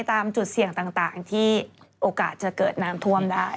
ตามจุดเสี่ยงต่างที่โอกาสจะเกิดน้ำท่วมได้